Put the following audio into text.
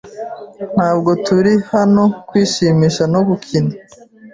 Ntabwo turi hano kwishimisha no gukina.